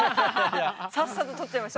さっさと取っちゃいました。